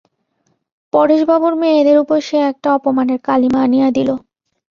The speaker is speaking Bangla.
পরেশবাবুর মেয়েদের উপর সে একটা অপমানের কালিমা আনিয়া দিল!